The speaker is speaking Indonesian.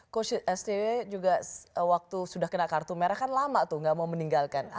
coach scw juga waktu sudah kena kartu merah kan lama tuh gak mau meninggalkan